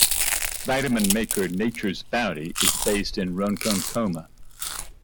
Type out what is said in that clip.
Vitamin maker Nature's Bounty is based in Ronkonkoma.